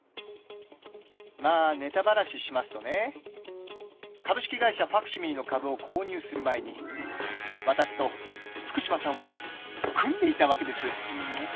まあネタバラシしますとね株式会社ファクシミリの株を購入する前に私と福島さんは組んでいたわけです。